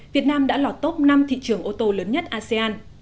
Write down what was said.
việt nam đã là top năm thị trường ô tô lớn nhất asean